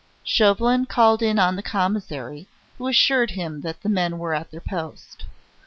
Chauvelin called in on the Commissary, who assured him that the men were at their post.